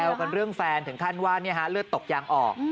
แซวกันเรื่องแฟนถึงขั้นว่าเนี่ยฮะเลือดตกยางออก